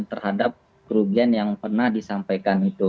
terhadap kerugian yang pernah disampaikan itu